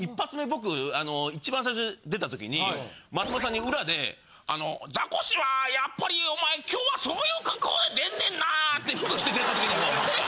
僕一番最初出た時に松本さんに裏で松本のマネザコシはやっぱりお前今日はそういう格好で出んねんな。って服着てる時に言われました。